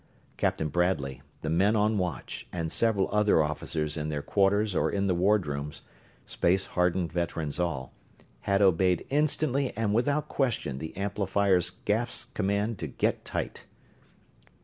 Captain Bradley, the men on watch, and several other officers in their quarters or in the wardrooms space hardened veterans all had obeyed instantly and without question the amplifiers' gasped command to "get tight."